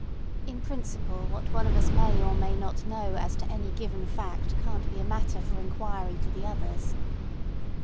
"In principle what one of us may or may not know as to any given fact can't be a matter for inquiry to the others."